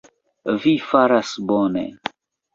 Vi faris bone.